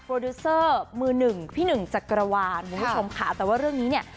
ดิวเซอร์มือหนึ่งพี่หนึ่งจักรวาลคุณผู้ชมค่ะแต่ว่าเรื่องนี้เนี่ย